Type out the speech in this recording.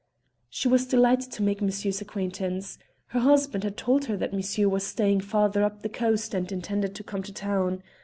She was delighted to make monsieur's acquaintance. Her husband had told her that monsieur was staying farther up the coast and intended to come to town..